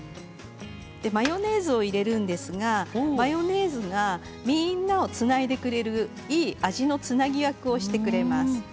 マヨネーズを入れるんですがマヨネーズがみんなをつないでくれるいい味のつなぎ役をしてくれます。